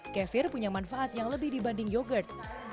kefir punya manfaat yang lebih dibanding yogurt